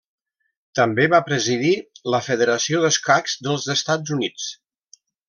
També va presidir la Federació d'Escacs dels Estats Units.